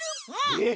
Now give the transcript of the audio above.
えっ！？